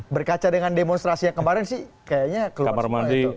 berkaca dengan demonstrasi yang kemarin sih kayaknya keluar semua itu